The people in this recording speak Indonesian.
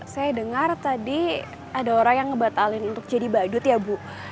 saya dengar tadi ada orang yang ngebatalin untuk jadi badut ya bu